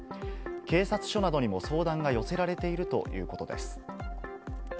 警察署などにも相談が寄せられているということです。